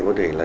có thể là